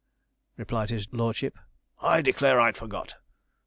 replied his lordship; 'I declare I'd forgot.